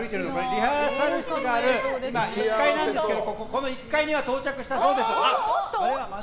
リハーサル室があるのは１階なんですけどこの１階には到着したそうです。